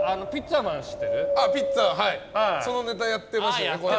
そのネタやってましたよ。